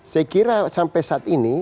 saya kira sampai saat ini